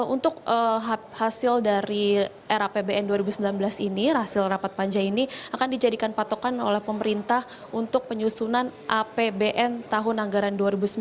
untuk hasil dari rapbn dua ribu sembilan belas ini hasil rapat panja ini akan dijadikan patokan oleh pemerintah untuk penyusunan apbn tahun anggaran dua ribu sembilan belas